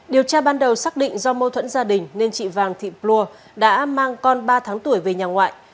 điều tra ban đầu xác định do mâu thuẫn gia đình nên chị vàng thị plua đã mang con ba tháng tuổi về nhà ngoại